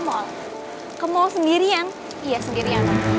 mall ke mall sendirian iya sendiri